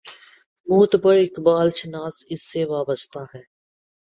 معتبر اقبال شناس اس سے وابستہ ہیں۔